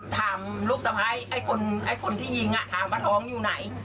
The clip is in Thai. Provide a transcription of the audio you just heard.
ถามลูกสะพ้ายไอ้คนที่ยิงถามว่าท้องอยู่ไหน